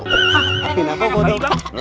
hah tapi kenapa kau di